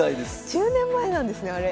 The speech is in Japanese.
１０年前なんですねあれ。